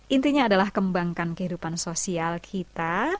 intinya adalah kembangkan kehidupan sosial kita